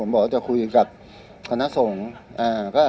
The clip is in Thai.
บอกว่าจะคุยกับคณะสงฆ์